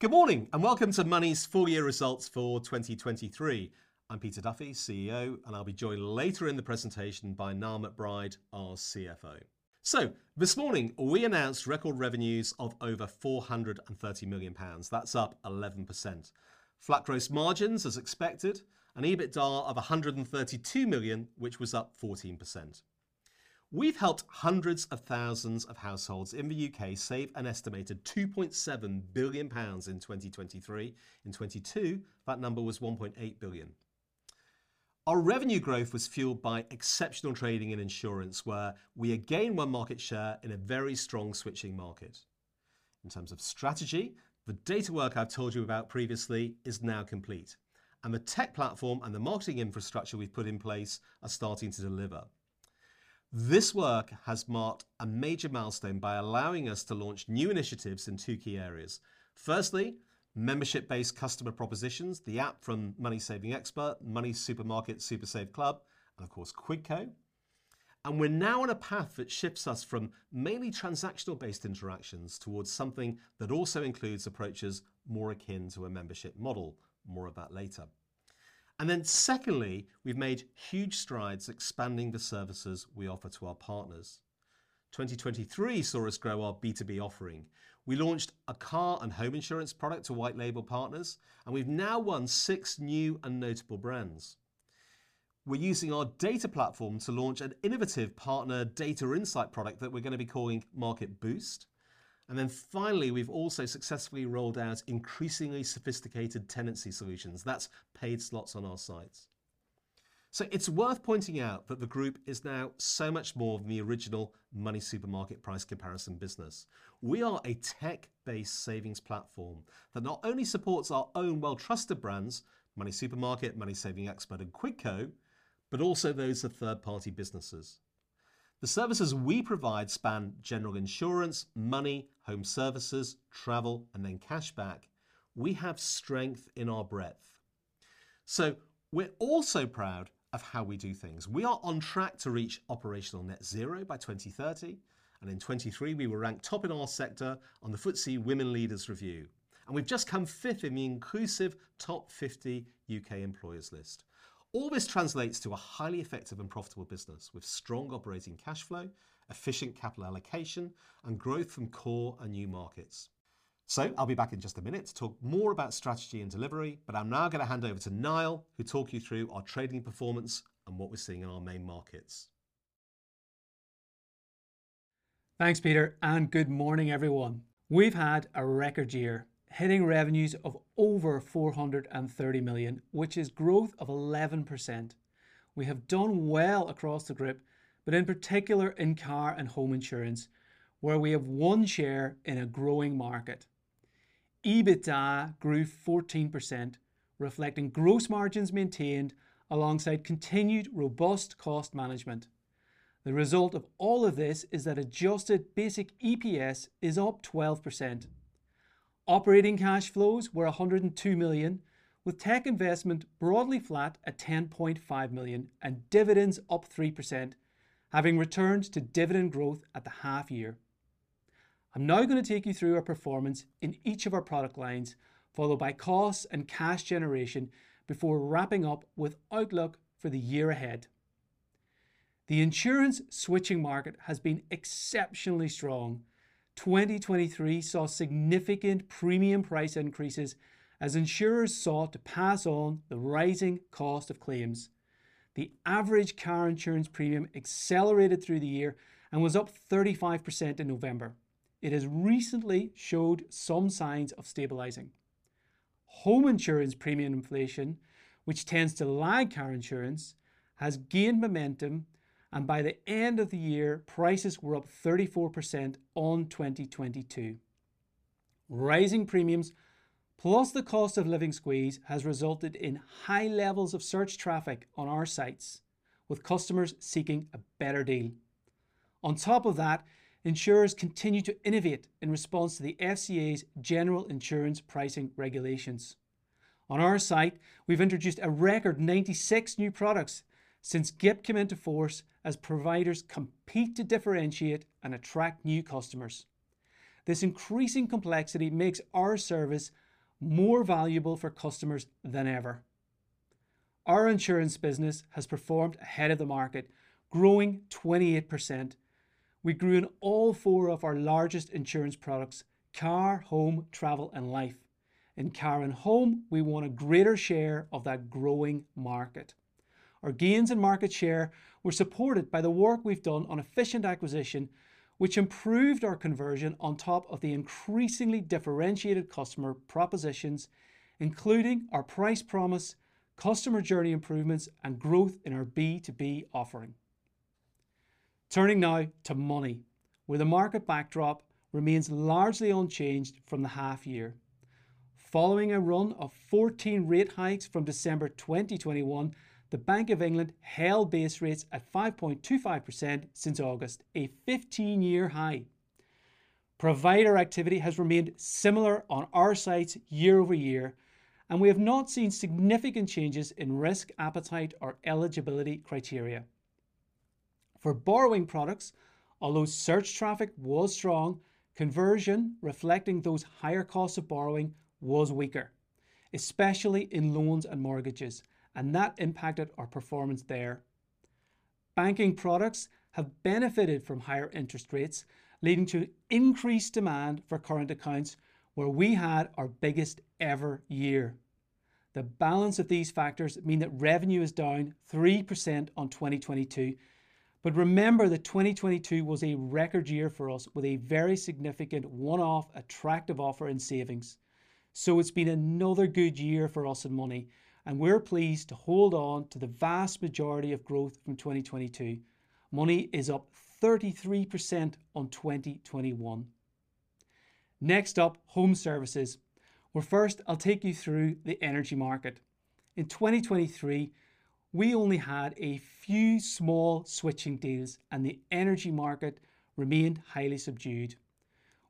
Good morning and welcome to MONY's full year results for 2023. I'm Peter Duffy, CEO, and I'll be joined later in the presentation by Niall McBride, our CFO. So this morning we announced record revenues of over 430 million pounds. That's up 11%. Flat gross margins, as expected, an EBITDA of 132 million, which was up 14%. We've helped hundreds of thousands of households in the UK save an estimated 2.7 billion pounds in 2023. In 2022, that number was 1.8 billion. Our revenue growth was fueled by exceptional trading in insurance, where we again won market share in a very strong switching market. In terms of strategy, the data work I've told you about previously is now complete, and the tech platform and the marketing infrastructure we've put in place are starting to deliver. This work has marked a major milestone by allowing us to launch new initiatives in two key areas. Firstly, membership-based customer propositions, the app from MoneySavingExpert, MoneySuperMarket SuperSaveClub, and of course, Quidco. And we're now on a path that shifts us from mainly transactional-based interactions towards something that also includes approaches more akin to a membership model. More of that later. And then secondly, we've made huge strides expanding the services we offer to our partners. 2023 saw us grow our B2B offering. We launched a car and home insurance product to white-label partners, and we've now won six new and notable brands. We're using our data platform to launch an innovative partner data insight product that we're going to be calling Market Boost. And then finally, we've also successfully rolled out increasingly sophisticated tenancy solutions. That's paid slots on our sites. So it's worth pointing out that the group is now so much more than the original MoneySuperMarket price comparison business. We are a tech-based savings platform that not only supports our own well-trusted brands, MoneySuperMarket, MoneySavingExpert, and Quidco, but also those of third-party businesses. The services we provide span general insurance, money, home services, travel, and then cashback. We have strength in our breadth. So we're also proud of how we do things. We are on track to reach operational net zero by 2030. And in 2023, we were ranked top in our sector on the FTSE Women Leaders Review. And we've just come fifth in the Inclusive Top 50 U.K. Employers list. All this translates to a highly effective and profitable business with strong operating cash flow, efficient capital allocation, and growth from core and new markets. I'll be back in just a minute to talk more about strategy and delivery. I'm now going to hand over to Niall, who'll talk you through our trading performance and what we're seeing in our main markets. Thanks, Peter, and good morning, everyone. We've had a record year, hitting revenues of over 430 million, which is growth of 11%. We have done well across the group, but in particular in car and home insurance, where we have won share in a growing market. EBITDA grew 14%, reflecting gross margins maintained alongside continued robust cost management. The result of all of this is that adjusted basic EPS is up 12%. Operating cash flows were 102 million, with tech investment broadly flat at 10.5 million and dividends up 3%, having returned to dividend growth at the half-year. I'm now going to take you through our performance in each of our product lines, followed by costs and cash generation, before wrapping up with outlook for the year ahead. The insurance switching market has been exceptionally strong. 2023 saw significant premium price increases as insurers sought to pass on the rising cost of claims. The average car insurance premium accelerated through the year and was up 35% in November. It has recently showed some signs of stabilizing. Home insurance premium inflation, which tends to lag car insurance, has gained momentum. By the end of the year, prices were up 34% on 2022. Rising premiums, plus the cost of living squeeze, has resulted in high levels of search traffic on our sites, with customers seeking a better deal. On top of that, insurers continue to innovate in response to the FCA's general insurance pricing regulations. On our site, we've introduced a record 96 new products since GIP came into force as providers compete to differentiate and attract new customers. This increasing complexity makes our service more valuable for customers than ever. Our insurance business has performed ahead of the market, growing 28%. We grew in all four of our largest insurance products: car, home, travel, and life. In car and home, we want a greater share of that growing market. Our gains in market share were supported by the work we've done on efficient acquisition, which improved our conversion on top of the increasingly differentiated customer propositions, including our price promise, customer journey improvements, and growth in our B2B offering. Turning now to MONY, where the market backdrop remains largely unchanged from the half-year. Following a run of 14 rate hikes from December 2021, the Bank of England held base rates at 5.25% since August, a 15-year high. Provider activity has remained similar on our sites year-over-year, and we have not seen significant changes in risk appetite or eligibility criteria. For borrowing products, although search traffic was strong, conversion, reflecting those higher costs of borrowing, was weaker, especially in loans and mortgages. That impacted our performance there. Banking products have benefited from higher interest rates, leading to increased demand for current accounts, where we had our biggest ever year. The balance of these factors means that revenue is down 3% on 2022. Remember, that 2022 was a record year for us, with a very significant one-off attractive offer in savings. It's been another good year for us at MONY. We're pleased to hold on to the vast majority of growth from 2022. MONY is up 33% on 2021. Next up, home services. Well, first, I'll take you through the energy market. In 2023, we only had a few small switching deals, and the energy market remained highly subdued.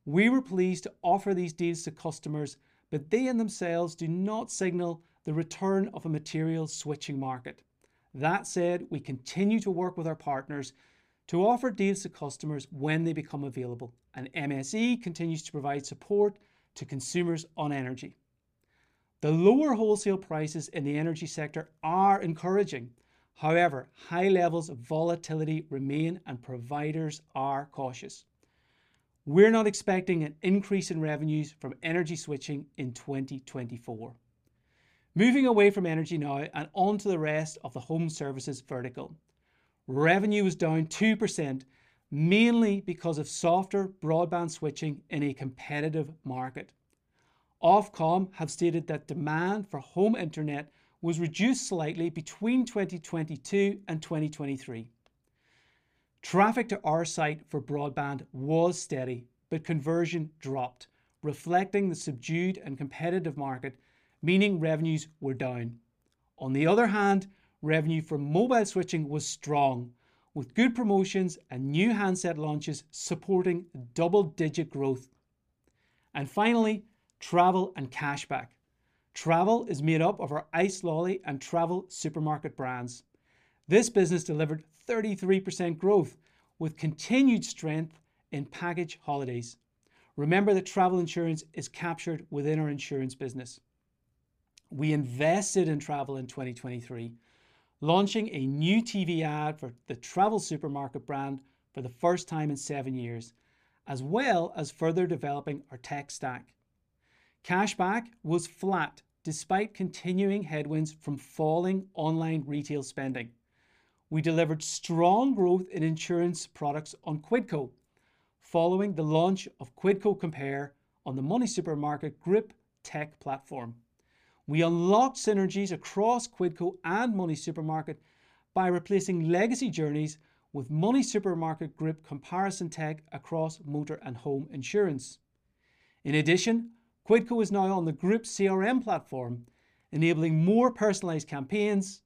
We were pleased to offer these deals to customers, but they in themselves do not signal the return of a material switching market. That said, we continue to work with our partners to offer deals to customers when they become available. MSE continues to provide support to consumers on energy. The lower wholesale prices in the energy sector are encouraging. However, high levels of volatility remain, and providers are cautious. We're not expecting an increase in revenues from energy switching in 2024. Moving away from energy now and onto the rest of the home services vertical. Revenue was down 2%, mainly because of softer broadband switching in a competitive market. Ofcom have stated that demand for home internet was reduced slightly between 2022 and 2023. Traffic to our site for broadband was steady, but conversion dropped, reflecting the subdued and competitive market, meaning revenues were down. On the other hand, revenue from mobile switching was strong, with good promotions and new handset launches supporting double-digit growth. Finally, travel and cashback. Travel is made up of our icelolly.com and TravelSupermarket brands. This business delivered 33% growth, with continued strength in package holidays. Remember that travel insurance is captured within our insurance business. We invested in travel in 2023, launching a new TV ad for the TravelSupermarket brand for the first time in seven years, as well as further developing our tech stack. Cashback was flat despite continuing headwinds from falling online retail spending. We delivered strong growth in insurance products on Quidco, following the launch of Quidco Compare on the MoneySuperMarket Group tech platform. We unlocked synergies across Quidco and MoneySuperMarket by replacing legacy journeys with MoneySuperMarket Group comparison tech across motor and home insurance. In addition, Quidco is now on the Group CRM platform, enabling more personalized campaigns.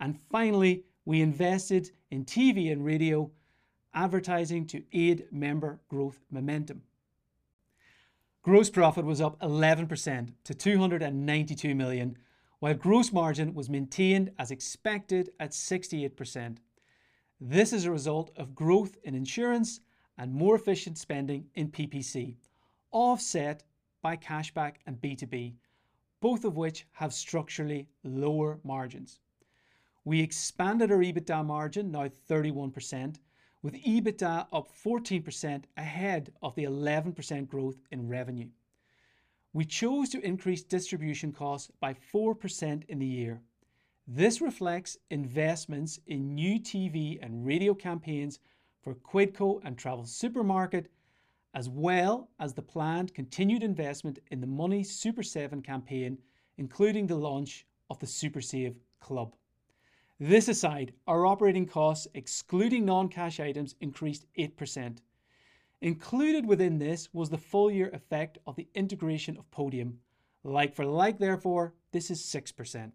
And finally, we invested in TV and radio advertising to aid member growth momentum. Gross profit was up 11% to 292 million, while gross margin was maintained as expected at 68%. This is a result of growth in insurance and more efficient spending in PPC, offset by cashback and B2B, both of which have structurally lower margins. We expanded our EBITDA margin, now 31%, with EBITDA up 14% ahead of the 11% growth in revenue. We chose to increase distribution costs by 4% in the year. This reflects investments in new TV and radio campaigns for Quidco and TravelSupermarket, as well as the planned continued investment in the MoneySuperSeven campaign, including the launch of the SuperSaveClub. This aside, our operating costs, excluding non-cash items, increased 8%. Included within this was the full-year effect of the integration of Podium. Like for like, therefore, this is 6%.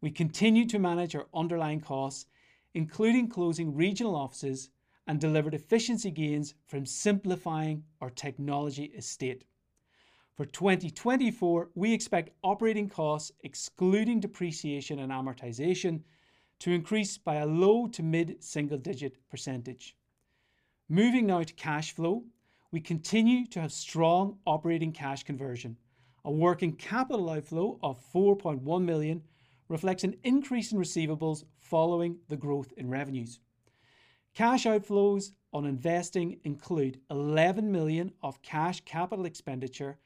We continue to manage our underlying costs, including closing regional offices, and delivered efficiency gains from simplifying our technology estate. For 2024, we expect operating costs, excluding depreciation and amortization, to increase by a low- to mid-single-digit %. Moving now to cash flow, we continue to have strong operating cash conversion. A working capital outflow of 4.1 million reflects an increase in receivables following the growth in revenues. Cash outflows on investing include 11 million of cash capital expenditure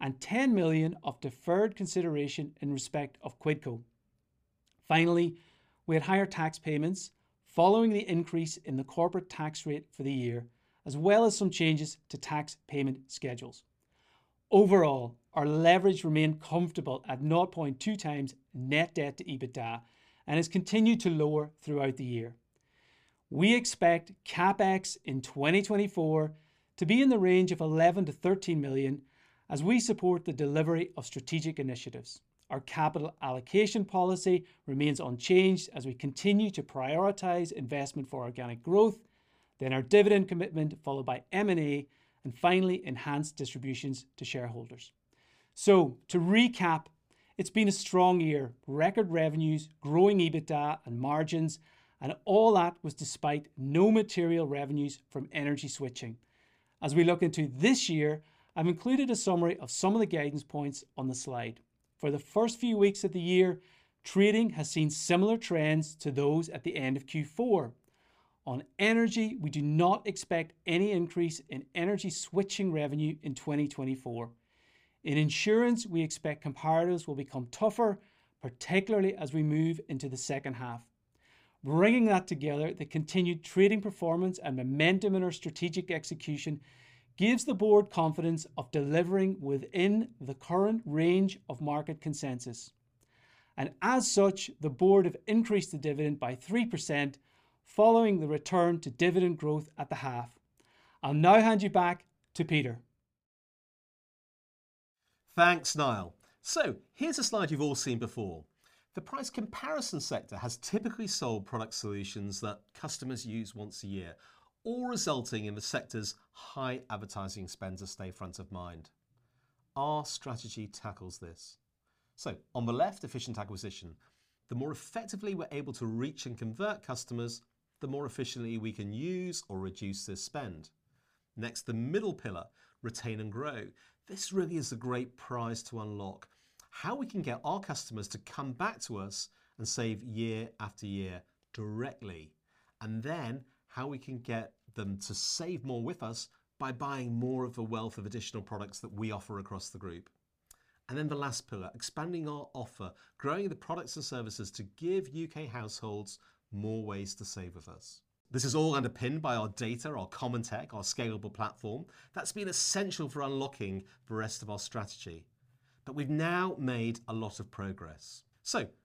and 10 million of deferred consideration in respect of Quidco. Finally, we had higher tax payments following the increase in the corporate tax rate for the year, as well as some changes to tax payment schedules. Overall, our leverage remained comfortable at 0.2 times net debt to EBITDA and has continued to lower throughout the year. We expect CAPEX in 2024 to be in the range of 11 million-13 million, as we support the delivery of strategic initiatives. Our capital allocation policy remains unchanged, as we continue to prioritize investment for organic growth, then our dividend commitment, followed by M&A, and finally enhanced distributions to shareholders. So to recap, it's been a strong year: record revenues, growing EBITDA and margins. All that was despite no material revenues from energy switching. As we look into this year, I've included a summary of some of the guidance points on the slide. For the first few weeks of the year, trading has seen similar trends to those at the end of Q4. On energy, we do not expect any increase in energy switching revenue in 2024. In insurance, we expect comparatives will become tougher, particularly as we move into the second half. Bringing that together, the continued trading performance and momentum in our strategic execution gives the board confidence of delivering within the current range of market consensus. And as such, the board have increased the dividend by 3%, following the return to dividend growth at the half. I'll now hand you back to Peter. Thanks, Niall. So here's a slide you've all seen before. The price comparison sector has typically sold product solutions that customers use once a year, all resulting in the sector's high advertising spend to stay front of mind. Our strategy tackles this. So on the left, efficient acquisition. The more effectively we're able to reach and convert customers, the more efficiently we can use or reduce this spend. Next, the middle pillar, retain and grow. This really is a great prize to unlock: how we can get our customers to come back to us and save year after year directly, and then how we can get them to save more with us by buying more of the wealth of additional products that we offer across the group. The last pillar, expanding our offer, growing the products and services to give U.K. households more ways to save with us. This is all underpinned by our data, our common tech, our scalable platform that's been essential for unlocking the rest of our strategy. We've now made a lot of progress.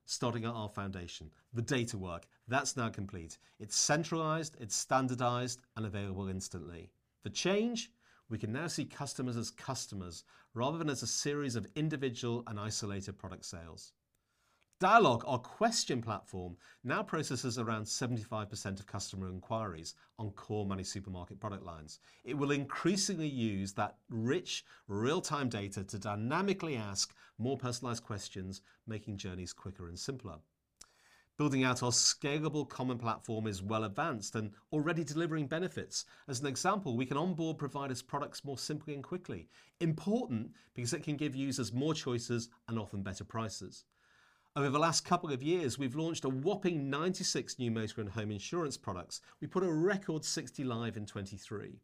Starting at our foundation, the data work, that's now complete. It's centralized, it's standardized, and available instantly. The change? We can now see customers as customers rather than as a series of individual and isolated product sales. Dialogue, our question platform, now processes around 75% of customer inquiries on core MoneySuperMarket product lines. It will increasingly use that rich, real-time data to dynamically ask more personalized questions, making journeys quicker and simpler. Building out our scalable common platform is well advanced and already delivering benefits. As an example, we can onboard providers' products more simply and quickly. Important because it can give users more choices and often better prices. Over the last couple of years, we've launched a whopping 96 new motor and home insurance products. We put a record 60 live in 2023.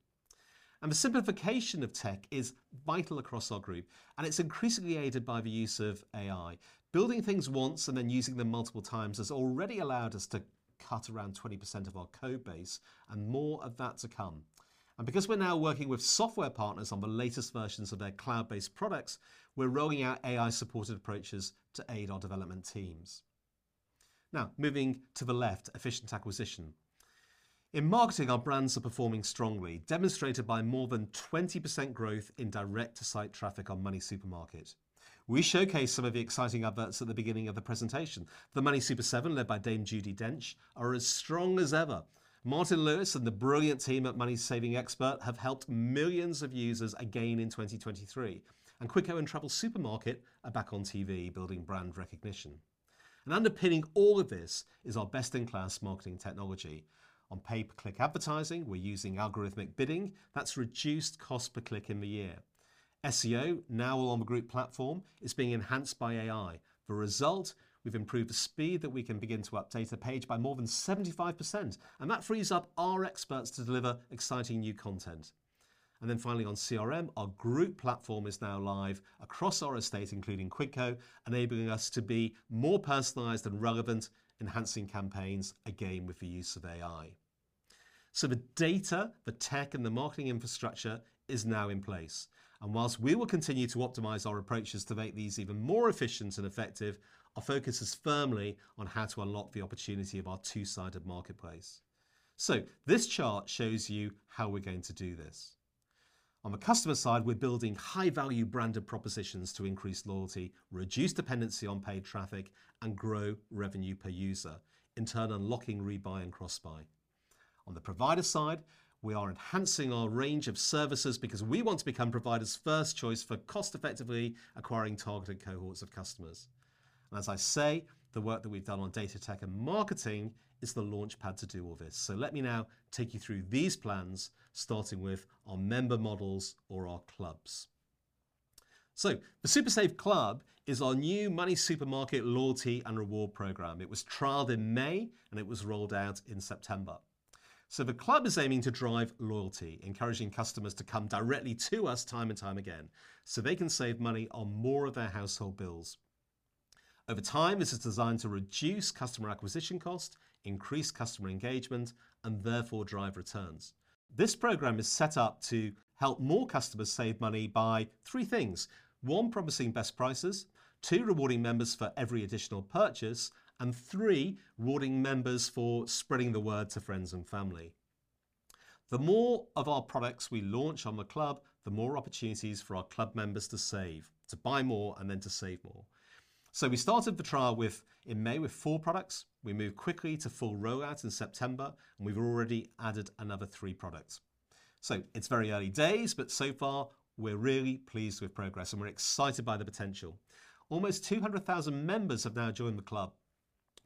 The simplification of tech is vital across our group. It's increasingly aided by the use of AI. Building things once and then using them multiple times has already allowed us to cut around 20% of our code base, and more of that to come. And because we're now working with software partners on the latest versions of their cloud-based products, we're rolling out AI-supported approaches to aid our development teams. Now, moving to the left, efficient acquisition. In marketing, our brands are performing strongly, demonstrated by more than 20% growth in direct-to-site traffic on MoneySuperMarket. We showcased some of the exciting adverts at the beginning of the presentation. The MoneySuperSeven, led by Dame Judi Dench, are as strong as ever. Martin Lewis and the brilliant team at MoneySavingExpert have helped millions of users again in 2023. And Quidco and TravelSupermarket are back on TV, building brand recognition. And underpinning all of this is our best-in-class marketing technology. On pay-per-click advertising, we're using algorithmic bidding. That's reduced cost per click in the year. SEO, now all on the group platform, is being enhanced by AI. The result? We've improved the speed that we can begin to update a page by more than 75%. And that frees up our experts to deliver exciting new content. And then finally, on CRM, our group platform is now live across our estate, including Quidco, enabling us to be more personalized and relevant, enhancing campaigns again with the use of AI. So the data, the tech, and the marketing infrastructure is now in place. And whilst we will continue to optimize our approaches to make these even more efficient and effective, our focus is firmly on how to unlock the opportunity of our two-sided marketplace. So this chart shows you how we're going to do this. On the customer side, we're building high-value branded propositions to increase loyalty, reduce dependency on paid traffic, and grow revenue per user, in turn unlocking rebuy and crossbuy. On the provider side, we are enhancing our range of services because we want to become providers' first choice for cost-effectively acquiring targeted cohorts of customers. And as I say, the work that we've done on data tech and marketing is the launchpad to do all this. So let me now take you through these plans, starting with our member models or our clubs. So the Super Save Club is our new MoneySuperMarket loyalty and reward program. It was trialed in May, and it was rolled out in September. So the club is aiming to drive loyalty, encouraging customers to come directly to us time and time again so they can save money on more of their household bills. Over time, this is designed to reduce customer acquisition cost, increase customer engagement, and therefore drive returns. This program is set up to help more customers save money by three things: one, promising best prices; two, rewarding members for every additional purchase; and three, rewarding members for spreading the word to friends and family. The more of our products we launch on the club, the more opportunities for our club members to save, to buy more, and then to save more. So we started the trial in May with 4 products. We moved quickly to full rollout in September, and we've already added another 3 products. So it's very early days, but so far, we're really pleased with progress, and we're excited by the potential. Almost 200,000 members have now joined the club.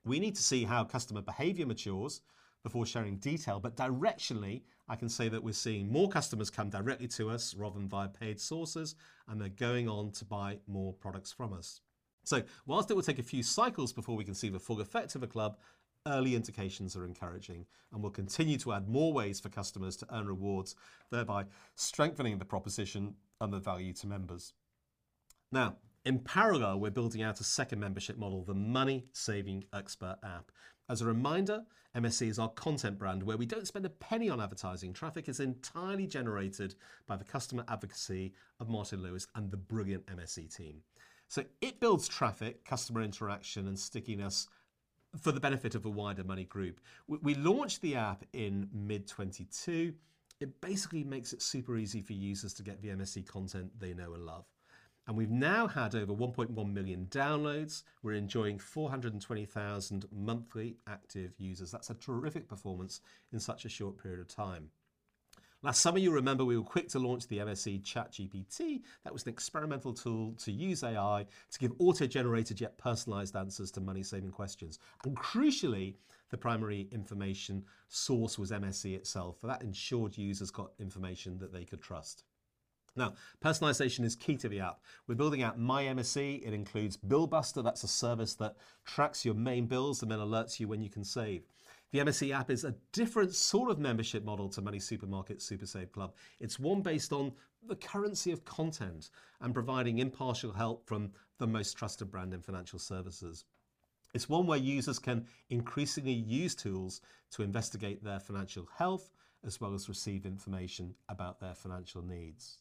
We need to see how customer behavior matures before sharing detail. But directionally, I can say that we're seeing more customers come directly to us rather than via paid sources, and they're going on to buy more products from us. So whilst it will take a few cycles before we can see the full effect of the club, early indications are encouraging. We'll continue to add more ways for customers to earn rewards, thereby strengthening the proposition and the value to members. Now, in parallel, we're building out a second membership model, the MoneySavingExpert app. As a reminder, MSE is our content brand where we don't spend a penny on advertising. Traffic is entirely generated by the customer advocacy of Martin Lewis and the brilliant MSE team. So it builds traffic, customer interaction, and stickiness for the benefit of a wider MONY Group. We launched the app in mid-2022. It basically makes it super easy for users to get the MSE content they know and love. We've now had over 1.1 million downloads. We're enjoying 420,000 monthly active users. That's a terrific performance in such a short period of time. Last summer, you'll remember we were quick to launch the MSE ChatGPT. That was an experimental tool to use AI to give auto-generated yet personalized answers to money-saving questions. And crucially, the primary information source was MSE itself. So that ensured users got information that they could trust. Now, personalization is key to the app. We're building out MyMSE. It includes Bill Buster. That's a service that tracks your main bills and then alerts you when you can save. The MSE app is a different sort of membership model to MoneySuperMarket SuperSaveClub. It's one based on the currency of content and providing impartial help from the most trusted brand in financial services. It's one where users can increasingly use tools to investigate their financial health as well as receive information about their financial needs.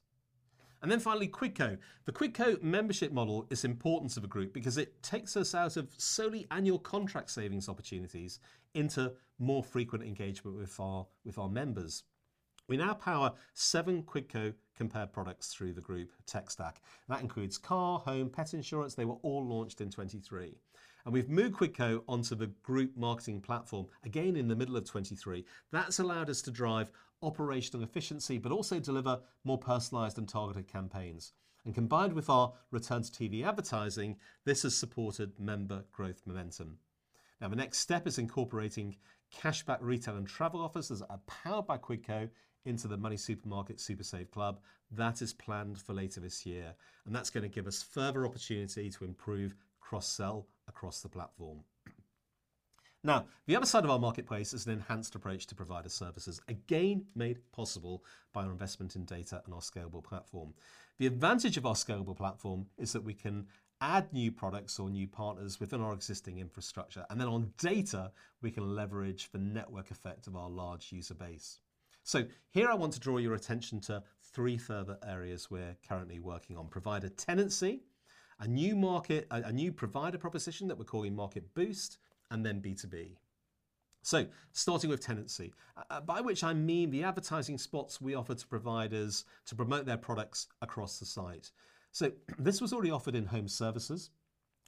Then finally, Quidco. The Quidco membership model is the importance of a group because it takes us out of solely annual contract savings opportunities into more frequent engagement with our members. We now power seven Quidco Compared products through the group tech stack. That includes car, home, pet insurance. They were all launched in 2023. We've moved Quidco onto the group marketing platform, again in the middle of 2023. That's allowed us to drive operational efficiency but also deliver more personalized and targeted campaigns. Combined with our return-to-TV advertising, this has supported member growth momentum. Now, the next step is incorporating cashback retail and travel offers that are powered by Quidco into the MoneySuperMarket SuperSaveClub. That is planned for later this year. And that's going to give us further opportunity to improve cross-sell across the platform. Now, the other side of our marketplace is an enhanced approach to provider services, again made possible by our investment in data and our scalable platform. The advantage of our scalable platform is that we can add new products or new partners within our existing infrastructure. And then on data, we can leverage the network effect of our large user base. So here I want to draw your attention to three further areas we're currently working on: provider tenancy, a new provider proposition that we're calling Market Boost, and then B2B. So starting with tenancy, by which I mean the advertising spots we offer to providers to promote their products across the site. So this was already offered in home services.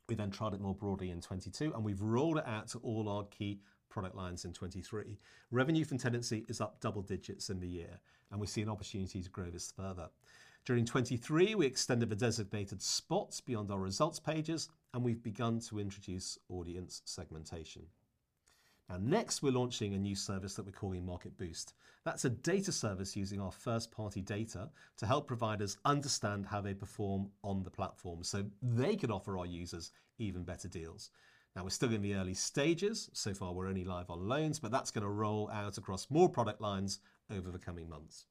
We then trialed it more broadly in 2022, and we've rolled it out to all our key product lines in 2023. Revenue from tenancy is up double digits in the year, and we see an opportunity to grow this further. During 2023, we extended the designated spots beyond our results pages, and we've begun to introduce audience segmentation. Now, next, we're launching a new service that we're calling Market Boost. That's a data service using our first-party data to help providers understand how they perform on the platform so they can offer our users even better deals. Now, we're still in the early stages. So far, we're only live on loans, but that's going to roll out across more product lines over the coming months.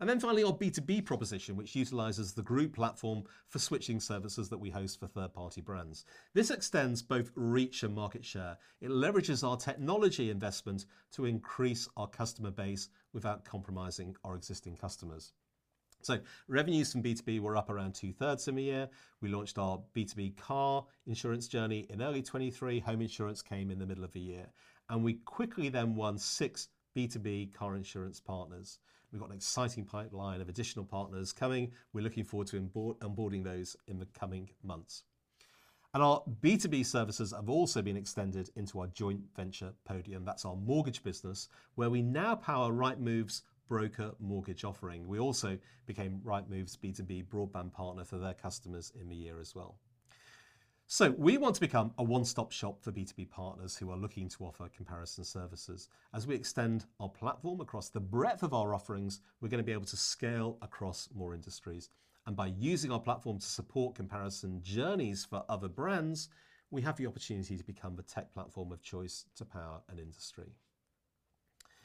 And then finally, our B2B proposition, which utilizes the group platform for switching services that we host for third-party brands. This extends both reach and market share. It leverages our technology investment to increase our customer base without compromising our existing customers. So revenues from B2B were up around two-thirds in the year. We launched our B2B car insurance journey in early 2023. Home insurance came in the middle of the year. And we quickly then won six B2B car insurance partners. We've got an exciting pipeline of additional partners coming. We're looking forward to onboarding those in the coming months. And our B2B services have also been extended into our joint venture Podium. That's our mortgage business, where we now power Rightmove's broker mortgage offering. We also became Rightmove's B2B broadband partner for their customers in the year as well. So we want to become a one-stop shop for B2B partners who are looking to offer comparison services. As we extend our platform across the breadth of our offerings, we're going to be able to scale across more industries. And by using our platform to support comparison journeys for other brands, we have the opportunity to become the tech platform of choice to power an industry.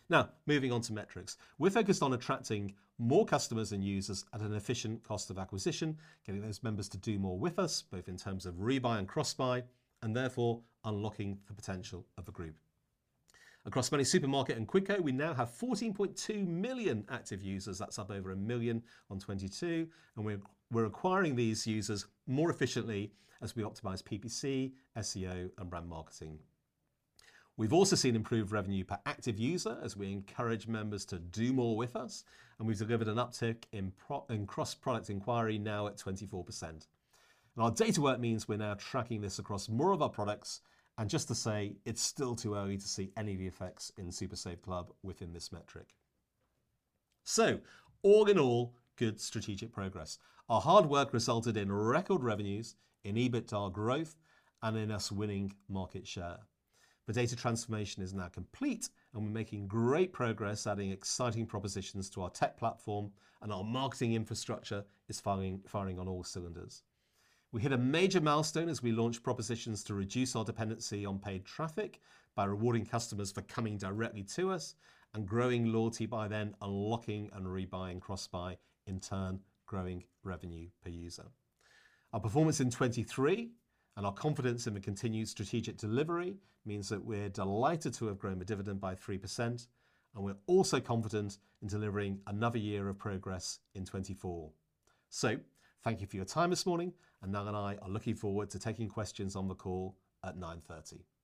Now, moving on to metrics, we're focused on attracting more customers and users at an efficient cost of acquisition, getting those members to do more with us, both in terms of rebuy and crossbuy, and therefore unlocking the potential of the group. Across MoneySuperMarket and Quidco, we now have 14.2 million active users. That's up over a million on 2022. We're acquiring these users more efficiently as we optimize PPC, SEO, and brand marketing. We've also seen improved revenue per active user as we encourage members to do more with us. We've delivered an uptick in cross-product inquiry now at 24%. Our data work means we're now tracking this across more of our products. Just to say, it's still too early to see any of the effects in Super Save Club within this metric. So all in all, good strategic progress. Our hard work resulted in record revenues, in EBITDA growth, and in us winning market share. The data transformation is now complete, and we're making great progress adding exciting propositions to our tech platform. Our marketing infrastructure is firing on all cylinders. We hit a major milestone as we launched propositions to reduce our dependency on paid traffic by rewarding customers for coming directly to us and growing loyalty by then unlocking and rebuying crossbuy, in turn growing revenue per user. Our performance in 2023 and our confidence in the continued strategic delivery means that we're delighted to have grown the dividend by 3%. We're also confident in delivering another year of progress in 2024. Thank you for your time this morning. Niall and I are looking forward to taking questions on the call at 9:30 A.M.